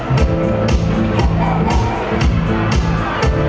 ไม่ต้องถามไม่ต้องถาม